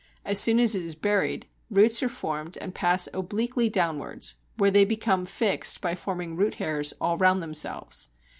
As soon as it is buried, roots are formed and pass obliquely downwards, where they become fixed by forming root hairs all round themselves.